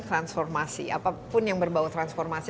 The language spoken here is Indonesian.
transformasi apapun yang berbau transformasi